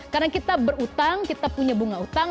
karena kita berutang kita punya bunga utang